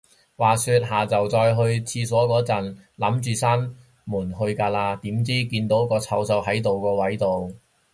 話說，下就再去廁所個陣，諗住閂門去㗎啦，點知，見到個臭臭係呢個位到